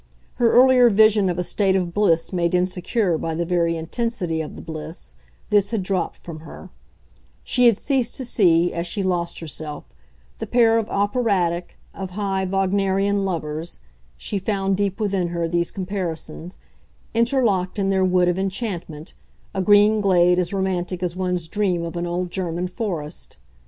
Her earlier vision of a state of bliss made insecure by the very intensity of the bliss this had dropped from her; she had ceased to see, as she lost herself, the pair of operatic, of high Wagnerian lovers (she found, deep within her, these comparisons) interlocked in their wood of enchantment, a green glade as romantic as one's dream of an old German forest.